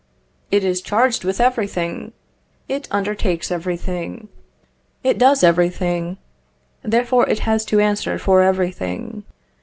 It is charged with everything, it undertakes everything, it does everything; therefore it has to answer for everything.